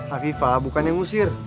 afifah bukannya ngusir